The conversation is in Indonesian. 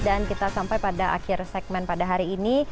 dan kita sampai pada akhir segmen pada hari ini